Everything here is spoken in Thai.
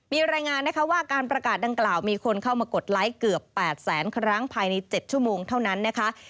มีรายงานนะคะว่าการประกาศดังกล่าวมีคนเข้ามากดไลค์เกือบ๘แสนครั้งภายใน๗ชั่วโมงเท่านั้นนะคะ